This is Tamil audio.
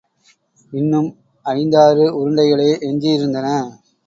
இன்னும் ஐந்தாறு உருண்டைகளே எஞ்சியிருந்தன.